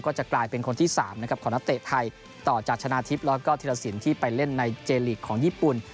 จะกลายเป็นคนที่๓นะครับของนักเตะไทยต่อจากชนะทิพย์แล้วก็ธิรสินที่ไปเล่นในเจลีกของญี่ปุ่น